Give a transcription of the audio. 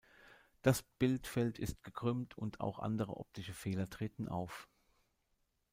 Das Bildfeld ist gekrümmt und auch andere optische Fehler treten auf.